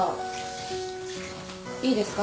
いいですか？